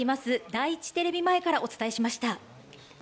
第一テレビ前からお伝えしました。